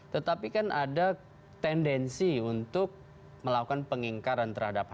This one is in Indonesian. tetapi kan ada tendensi untuk melakukan pengingkaran terhadap